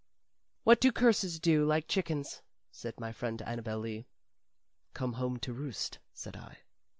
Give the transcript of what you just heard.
"What do curses do, like chickens?" said my friend Annabel Lee. "Come home to roost," said I.